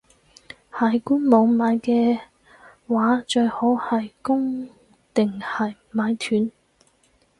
喺官網買嘅話，最好係供定係買斷?